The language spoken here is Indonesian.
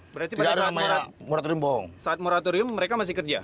berarti pada saat moratorium mereka masih kerja